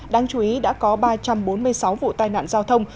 đáng chú ý đã có ba trăm bốn mươi sáu vụ tai nạn giao thông